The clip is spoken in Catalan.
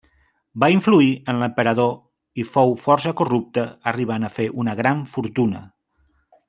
Va influir en l'emperador i fou força corrupte arribant a fer una gran fortuna.